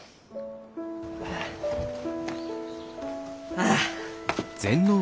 ああ。